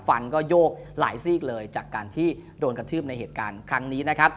ฟันก็โยกหลายซีกเลยจากการที่โดนกระทืบในเหตุการณ์ครั้งนี้นะครับ